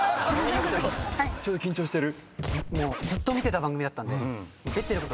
ちょっと緊張してる？